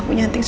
aku mau denger